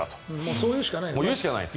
そう言うしかないです。